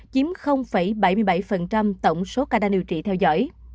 chiếm bảy mươi bảy tổng số ca đang điều trị theo dõi